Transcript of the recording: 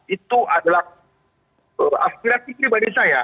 itu adalah aspirasi pribadi saya